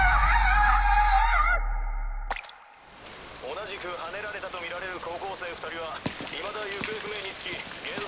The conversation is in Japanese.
同じくはねられたとみられる高校生２人はいまだ行方不明につき現在捜索中。